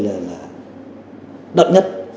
là đậm nhất